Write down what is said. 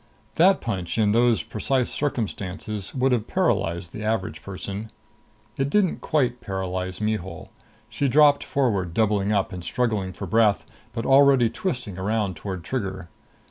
That punch, in those precise circumstances, would have paralyzed the average person. It didn't quite paralyze Mihul. She dropped forward, doubled up and struggling for breath, but already twisting around toward Trigger.